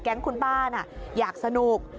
แก๊งคุณป้าอยากสนุก